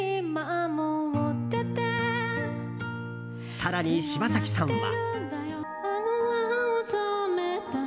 更に柴咲さんは。